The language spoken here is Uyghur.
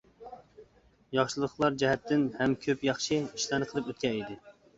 ياخشىلىقلار جەھەتتىن ھەم كۆپ ياخشى ئىشلارنى قىلىپ ئۆتكەن ئىدى.